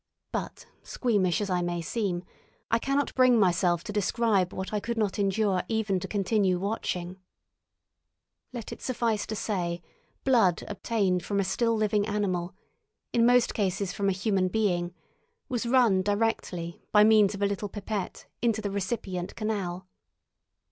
But, squeamish as I may seem, I cannot bring myself to describe what I could not endure even to continue watching. Let it suffice to say, blood obtained from a still living animal, in most cases from a human being, was run directly by means of a little pipette into the recipient canal.